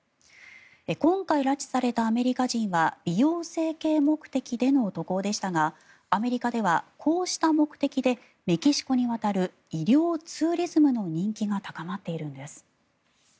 今回拉致されたアメリカ人は美容整形目的での渡航でしたがアメリカではこうした目的でメキシコに渡る医療ツーリズムの人気が高まっているんです。